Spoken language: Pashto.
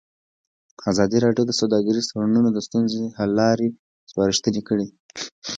ازادي راډیو د سوداګریز تړونونه د ستونزو حل لارې سپارښتنې کړي.